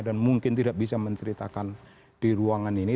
dan mungkin tidak bisa menceritakan di ruangan ini